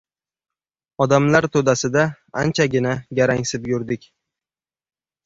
Odamlar to‘dasida anchagina garangsib yurdik.